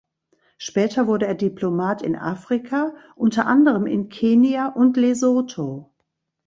Später wurde er Diplomat in Afrika, unter anderem in Kenia und Lesotho.